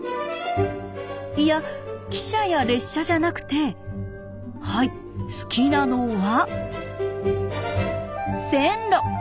いや汽車や列車じゃなくてはい好きなのは線路。